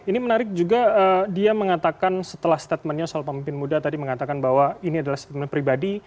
ini menarik juga dia mengatakan setelah statementnya soal pemimpin muda tadi mengatakan bahwa ini adalah statement pribadi